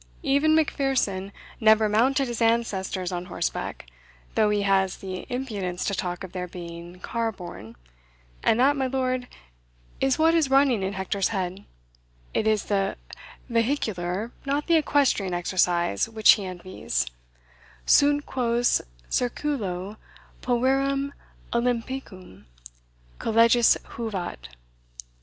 Even Macpherson never mounted his ancestors on horseback, though he has the impudence to talk of their being car borne and that, my lord, is what is running in Hector's head it is the vehicular, not the equestrian exercise, which he envies Sunt quos curriculo pulverem Olympicum Collegisse juvat.